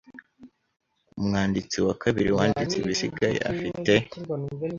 Umwanditsi wa kabiriwanditse ibisigaye afite